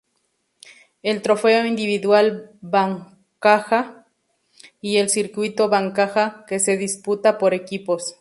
El Trofeo Individual Bancaja y el Circuito Bancaja que se disputa por equipos.